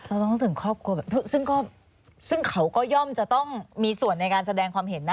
เราต้องนึกถึงครอบครัวแบบซึ่งเขาก็ย่อมจะต้องมีส่วนในการแสดงความเห็นนะ